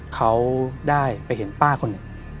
เขาได้ไปเห็นป้าคนหนึ่ง